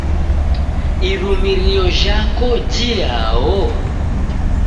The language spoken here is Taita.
Irumirio jhako jiao?